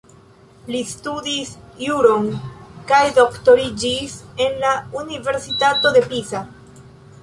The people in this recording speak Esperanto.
Li studis juron kaj doktoriĝis en la Universitato de Pisa.